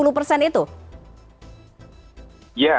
ya masih ada